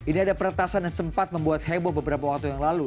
ini ada peretasan yang sempat membuat heboh beberapa waktu yang lalu